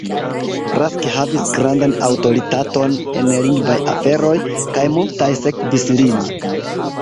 Rask havis grandan aŭtoritaton en lingvaj aferoj, kaj multaj sekvis lin.